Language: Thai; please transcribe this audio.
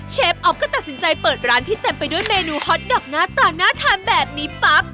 ออฟก็ตัดสินใจเปิดร้านที่เต็มไปด้วยเมนูฮอตดอกหน้าตาน่าทานแบบนี้ปั๊บ